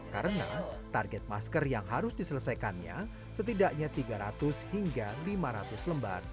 karena target masker yang harus diselesaikannya setidaknya tiga ratus hingga lima ratus lembar